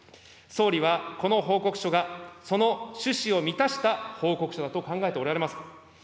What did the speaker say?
総理はこの報告書が、その趣旨を満たした報告書だと考えておられますか。